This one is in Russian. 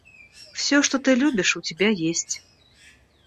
Всё, что ты любишь, у тебя есть.